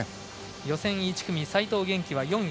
予選１組、齋藤元希は４位。